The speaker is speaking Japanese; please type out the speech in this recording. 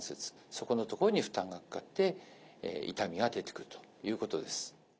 そこの所に負担がかかって痛みが出てくるということです。